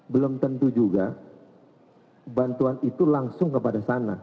belum tentu juga bantuan itu langsung kepada sana